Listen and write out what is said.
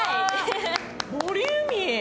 ボリューミー。